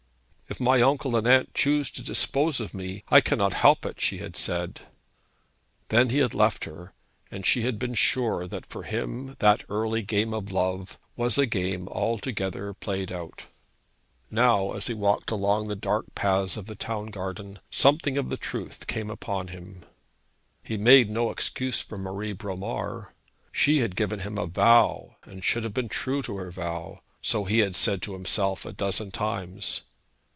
'If my uncle and aunt choose to dispose of me, I cannot help it,' she had said. Then he had left her, and she had been sure that for him that early game of love was a game altogether played out. Now, as he walked along the dark paths of the town garden, something of the truth came upon him. He made no excuse for Marie Bromar. She had given him a vow, and should have been true to her vow, so he said to himself a dozen times.